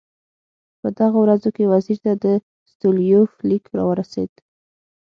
په دغو ورځو کې وزیر ته د ستولیتوف لیک راورسېد.